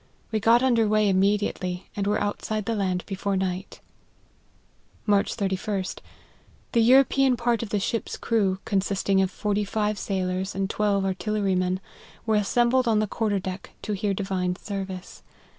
We got under way immediately, and were outside the land before night." " March 31. The European part of the ship's crew, consisting of forty five sailors and twelve ar tillerymen, were assembled on the quarter deck to hear divine service.